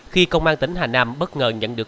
khi công an tỉnh hà nam bất ngờ nhận được